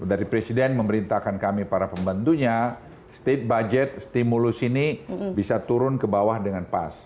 dari presiden memerintahkan kami para pembantunya state budget stimulus ini bisa turun ke bawah dengan pas